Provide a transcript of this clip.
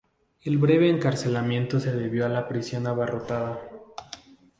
El breve encarcelamiento se debió a la prisión abarrotada.